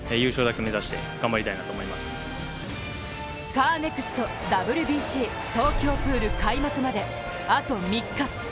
カーネクストＷＢＣ東京プール開幕まであと３日。